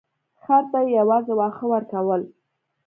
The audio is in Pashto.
خر ته یې یوازې واښه ورکول.